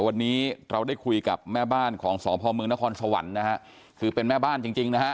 วันนี้เราได้คุยกับแม่บ้านของสพมนครสวรรค์นะฮะคือเป็นแม่บ้านจริงจริงนะฮะ